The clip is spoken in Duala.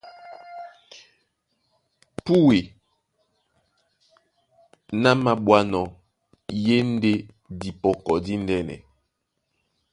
Púe ná māɓwánɔ́ í e ndé dipɔkɔ díndɛ́nɛ.